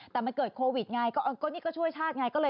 แต่มันเกิดโควิดไงก็นี่ก็ช่วยชาติไง